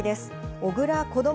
小倉こども